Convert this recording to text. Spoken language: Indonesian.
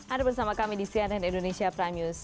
ada bersama kami di cnn indonesia prime news